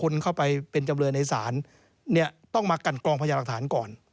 เนี่ยต้องมากันกรองพญาหรักฐานก่อน